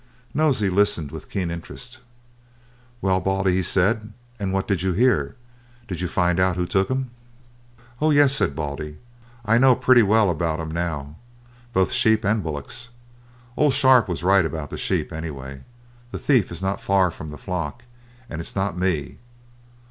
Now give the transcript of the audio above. Nosey listened with keen interest. "Well, Baldy," he said, "and what did you hear? Did you find out who took 'em?" "Oh, yes," said Baldy; "I know pretty well all about 'em now, both sheep and bullocks. Old Sharp was right about the sheep, anyway. The thief is not far from the flock, and it's not me."